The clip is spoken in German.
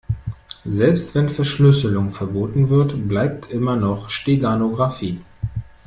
Selbst wenn Verschlüsselung verboten wird, bleibt immer noch Steganographie.